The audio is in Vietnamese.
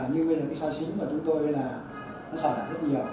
với lý do là như bây giờ cái xoài sính của chúng tôi là nó xảy ra rất nhiều